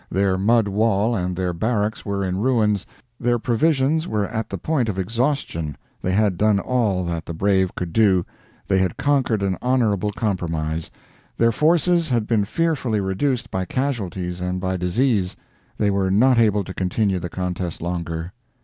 Their mud wall and their barracks were in ruins, their provisions were at the point of exhaustion, they had done all that the brave could do, they had conquered an honorable compromise, their forces had been fearfully reduced by casualties and by disease, they were not able to continue the contest longer.